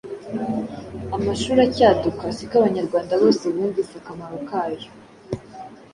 Amashuri acyaduka si ko Abanyarwanda hose bumvise akamaro kayo.